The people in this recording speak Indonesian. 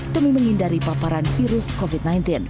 demi menghindari paparan virus covid sembilan belas